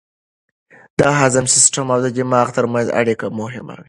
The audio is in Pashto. د هضم سیستم او دماغ ترمنځ اړیکه مهمه ده.